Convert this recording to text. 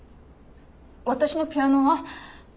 私のピアノは？